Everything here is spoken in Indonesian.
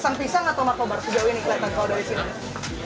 sang pisang atau markobar sejauh ini